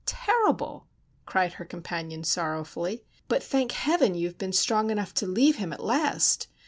terrible!" cried her companion sorrowfully. "But, thank Heaven, you have been strong enough to leave him at last!